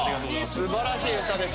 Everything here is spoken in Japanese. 素晴らしい歌です。